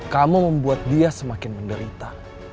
kamu membuat dia semakin menderita